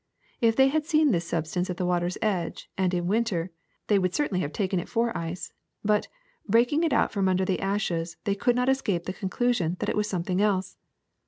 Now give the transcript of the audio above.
If they had seen this substance at the water's edge, and in winter, they would certainly have taken it for ice, but, raking it out from under the ashes, they could not escape the conclusion that it was something else."